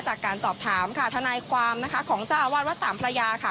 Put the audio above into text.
จากการสอบถามค่ะทนายความนะคะของเจ้าอาวาสวัดสามพระยาค่ะ